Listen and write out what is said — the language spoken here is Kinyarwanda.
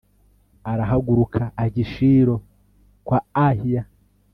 arahaguruka ajya i Shilo kwa Ahiya